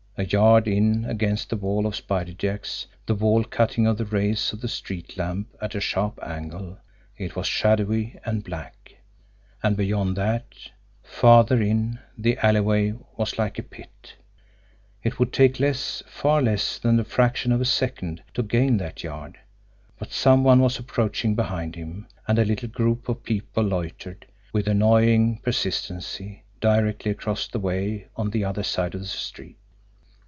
A yard in against the wall of Spider Jack's, the wall cutting off the rays of the street lamp at a sharp angle, it was shadowy and black and beyond that, farther in, the alleyway was like a pit. It would take less, far less, than the fraction of a second to gain that yard, but some one was approaching behind him, and a little group of people loitered, with annoying persistency, directly across the way on the other side of the street.